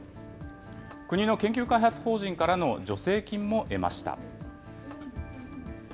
国の研究開発法人からの助成金も得ました。